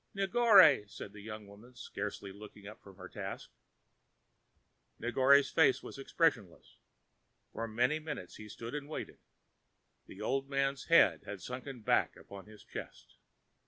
"Negore," said the young woman, scarcely looking up from her task. Negore's face was expressionless. For many minutes he stood and waited. The old man's head had sunk back upon his chest.